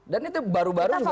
dan itu baru baru juga ada